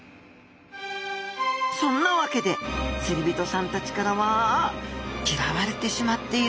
そんな訳で釣り人さんたちからは嫌われてしまっているんです